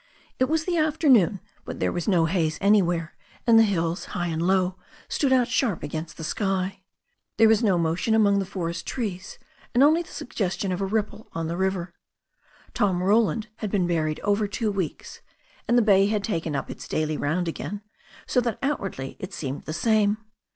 It was the afternoon, but there was no haze anjrwhere, and the hills high and low stood out sharp against the sky. There was no motion among the forest trees and only the suggestion of a ripple on the river. Tom Roland had b^en buried over two weeks, and the bay had taken up its daily round again, so that outwardly it seemed the same.